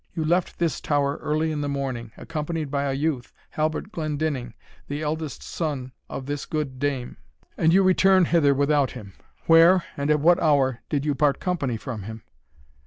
You left this tower early in the morning, accompanied by a youth, Halbert Glendinning, the eldest son of this good dame, and you return hither without him. Where, and at what hour, did you part company from him?"